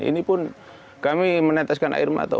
ini pun kami meneteskan air mata